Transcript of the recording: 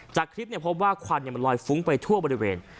จากคลิปพบว่าควันมันลอยฟุ้งไปทั่วบริเวณ